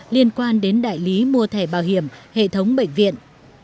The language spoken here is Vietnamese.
liên quan đến đại lý mua thẻ bảo hiểm hệ thống bệnh viện